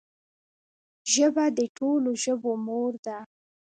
ژبه د ټولو ژبو مور ده